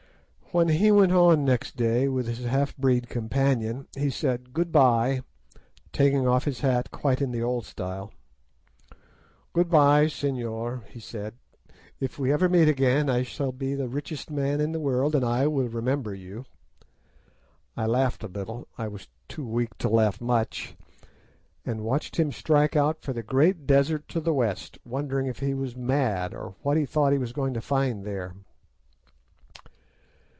When he went on next day with his half breed companion, he said 'Good bye,' taking off his hat quite in the old style. "'Good bye, señor,' he said; 'if ever we meet again I shall be the richest man in the world, and I will remember you.' I laughed a little—I was too weak to laugh much—and watched him strike out for the great desert to the west, wondering if he was mad, or what he thought he was going to find there.